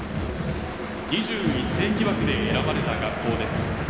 ２１世紀枠で選ばれた学校です。